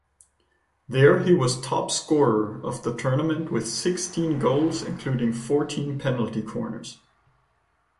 There he was topscorer of the tournament with sixteen goals, including fourteen penalty corners.